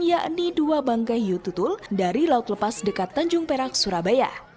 yakni dua bangkai hiu tutul dari laut lepas dekat tanjung perak surabaya